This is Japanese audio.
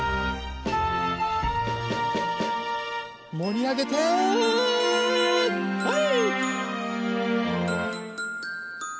もりあげてはい。